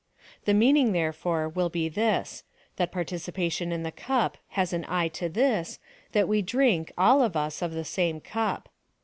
The meaning, there fore, will be this — that participation in the cup has an eye to this — that we drink, all of us, of the same cup.